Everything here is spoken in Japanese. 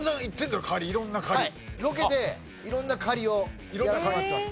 ロケで色んな狩りをやらせてもらってます。